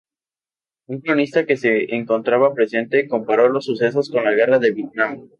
Un cronista que se encontraba presente comparó los sucesos con la Guerra de Vietnam.